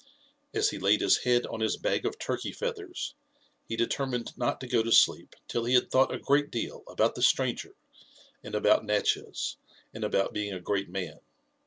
As he laid his head on his bag of Turkey feathers, he determined not to go to sleep till he had thought a great deal about the stranger, and about Natchez, and about being a great man.